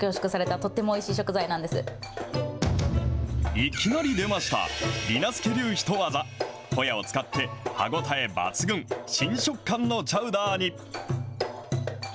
いきなり出ました、りな助流ヒトワザ、ほやを使って、歯応え抜群、新食感のチャウダーに。